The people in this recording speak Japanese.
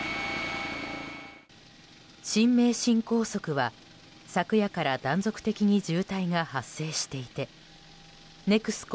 新名神高速は、昨夜から断続的に渋滞が発生していてＮＥＸＣＯ